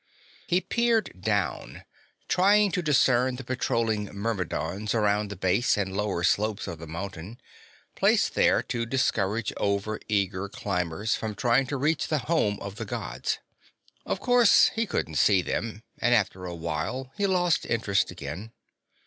He peered down, trying to discern the patrolling Myrmidons around the base and lower slopes of the mountain, placed there to discourage overeager climbers from trying to reach the home of the Gods. Of course he couldn't see them, and after a while he lost interest again.